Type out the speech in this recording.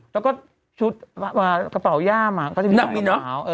แล้วก็ชุดกระเป๋าย่ามอะเขาจะมีใส่ขาว